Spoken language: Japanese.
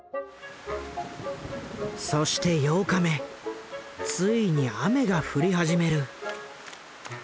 そして８日目ついに雨が降り始める。